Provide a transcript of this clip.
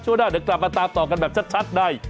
ช่วงหน้าเด็กมาตามต่อกันแบบชัดใน